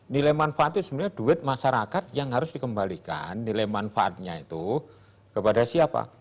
nilai manfaat itu sebenarnya duit masyarakat yang harus dikembalikan nilai manfaatnya itu kepada siapa